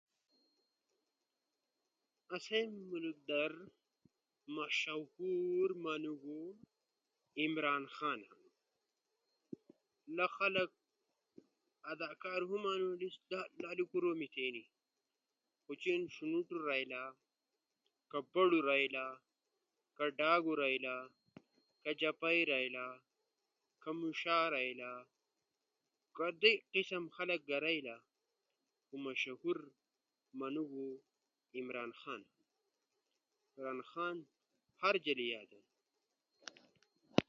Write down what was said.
اسئ ملک در مشہور منوݜو عمران خان ہنو کی سہ شونوٹو رائ لہ اوکہ باڈو رائلہ سہ سووائ نہ او خوشاریلہ کہ شونوٹو رائلہ اوکہ بہ ڈو رائلہ او کہ ڈاگا رائلہ